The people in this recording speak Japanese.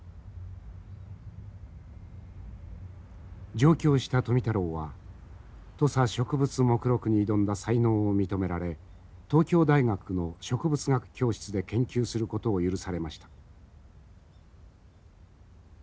上京した富太郎は「土佐植物目録」に挑んだ才能を認められ東京大学の植物学教室で研究することを許されました。